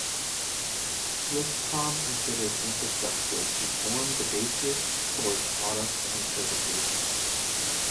Swisscom considers infrastructure to form the basis for its products and services.